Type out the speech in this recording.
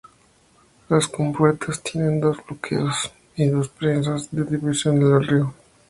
Las compuertas tienen dos bloqueos y dos presas de derivación en el río.